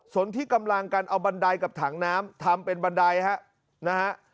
ส่วนที่กำลังกันเอาบันไดกับถังน้ำทำเป็นบันไดฮะนะฮะ